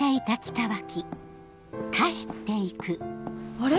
あれ？